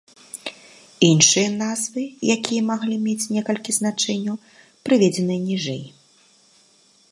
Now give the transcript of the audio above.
Іншыя назвы, якія маглі мець некалькі значэнняў, прыведзеныя ніжэй.